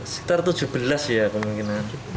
sekitar tujuh belas ya kemungkinan